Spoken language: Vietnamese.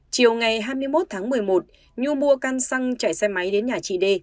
chiều ngày hai mươi một tháng một mươi một nhu mua căn xăng chạy xe máy đến nhà chị d